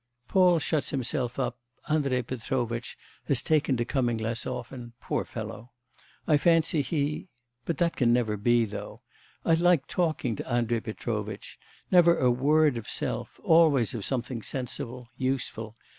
'... Paul shuts himself up, Andrei Petrovitch has taken to coming less often.... poor fellow! I fancy he... But that can never be, though. I like talking to Andrei Petrovitch; never a word of self, always of something sensible, useful.